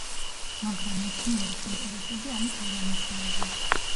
მაგრამ მეცნიერის ინტერესები ამით არ ამოწურულა.